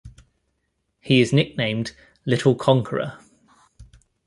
He is nicknamed "Little Conqueror".